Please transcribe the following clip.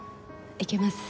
行けます。